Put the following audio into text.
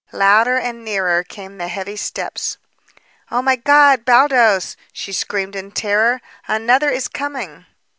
Louder and nearer came the heavy steps. "Oh, my God! Baldos!" she screamed in terror, "Another is coming!"